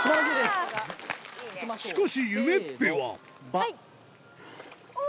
しかし夢っぺははい！